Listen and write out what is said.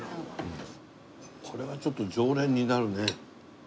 これはちょっと常連になるね。